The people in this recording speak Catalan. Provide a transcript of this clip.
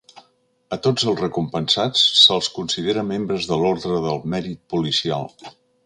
A tots els recompensats se'ls considera membres de l'Orde del Mèrit Policial.